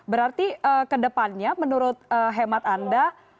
berarti ke depannya menurut hemat anda